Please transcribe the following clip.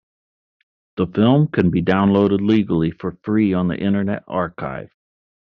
The film can be downloaded legally for free on the Internet Archive.